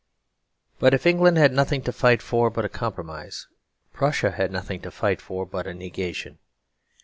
But if England had nothing to fight for but a compromise, Prussia had nothing to fight for but a negation.